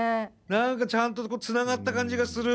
何かちゃんとつながった感じがする。